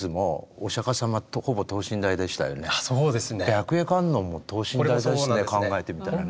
「白衣観音」も等身大ですね考えてみたらね。